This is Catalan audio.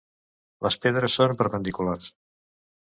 Les pedres són perpendiculars.